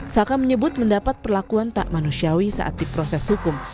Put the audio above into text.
saka menyebut mendapat perlakuan tak manusiawi saat diproses hukum